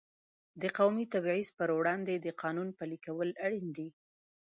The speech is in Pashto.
د قومي تبعیض پر وړاندې د قانون پلي کول اړین دي.